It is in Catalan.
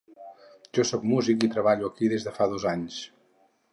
Jo sóc músic i treballo aquí des de fa dos anys.